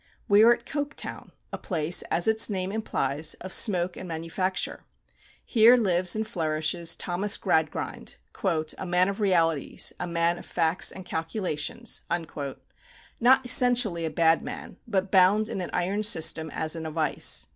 We are at Coketown, a place, as its name implies, of smoke and manufacture. Here lives and flourishes Thomas Gradgrind, "a man of realities; a man of facts and calculations;" not essentially a bad man, but bound in an iron system as in a vice.